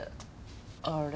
あれ？